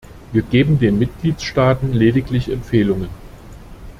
Wir geben den Mitgliedstaaten lediglich Empfehlungen.